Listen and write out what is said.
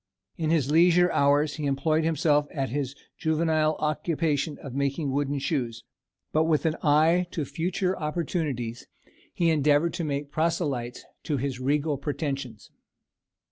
In his leisure hours he employed himself at his juvenile occupation of making wooden shoes; but with an eye to future opportunities he endeavoured to make proselytes to his regal pretensions.